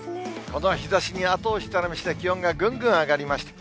この日ざしに後押しされまして、気温がぐんぐん上がりました。